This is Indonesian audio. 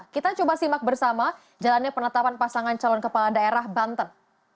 kita coba simak bersama jalannya penetapan pasangan calon kepala daerah banten